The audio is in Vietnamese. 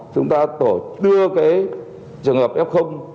chúng ta đưa cái trường hợp f